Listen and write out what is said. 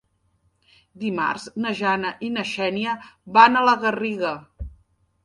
Dimarts na Jana i na Xènia van a la Garriga.